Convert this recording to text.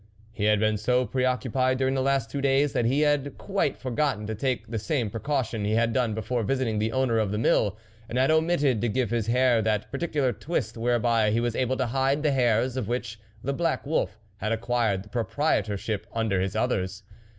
He had been so preoccupied during the last two days, that he had quite for gotten to take the same precaution he had done before visiting the owner of the mill, and had omitted to give his hair that par ticular twist whereby he was able to hide the hairs of which the black wolf had acquired the proprietorship under his others.